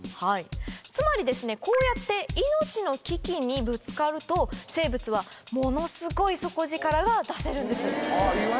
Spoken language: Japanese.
つまりですねこうやって命の危機にぶつかると生物はものすごい底力が出せるんです。